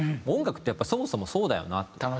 音楽ってやっぱそもそもそうだよなって。